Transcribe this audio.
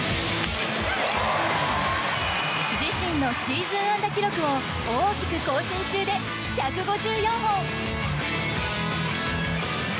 自身のシーズン安打記録を大きく更新中で１５４本。